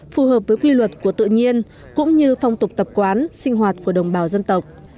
phù hợp với quy luật của tự nhiên cũng như phong tục tập quán sinh hoạt của đồng bào dân tộc